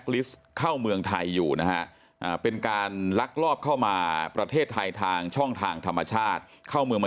แล้วนี่คือหัวส่วนหัวส่วนแขน